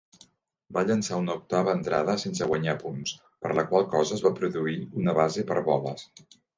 Va llençar una octava entrada sense guanyar punts, per la qual cosa es va produir una base per boles.